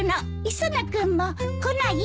磯野君も来ない？